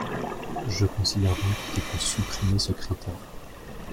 Je considère donc qu’il faut supprimer ce critère.